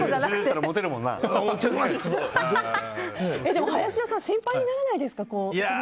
でも、林田さん心配にならないですか？